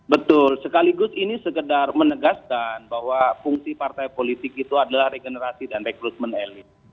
betul sekaligus ini segedar menegaskan bahwa fungsi partai politik itu adalah regenerasi dan rekrutmen elit